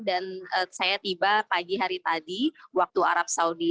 dan saya tiba pagi hari tadi waktu araf saudi